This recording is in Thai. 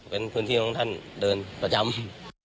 เป็นพื้นที่ของท่านเดินประจำ